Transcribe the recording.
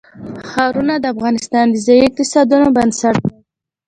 ښارونه د افغانستان د ځایي اقتصادونو بنسټ دی.